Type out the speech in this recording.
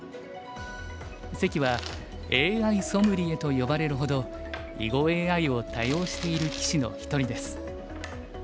関は「ＡＩソムリエ」と呼ばれるほど囲碁ＡＩを多用している棋士の一人です。